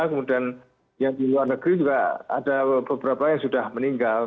kemudian yang di luar negeri juga ada beberapa yang sudah meninggal